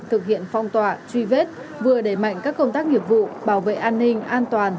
thực hiện phong tỏa truy vết vừa đẩy mạnh các công tác nghiệp vụ bảo vệ an ninh an toàn